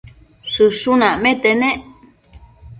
Shëshun acmete nec